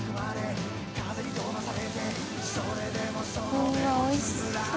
うわっおいしそう。